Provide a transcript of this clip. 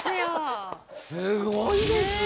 すごいですね。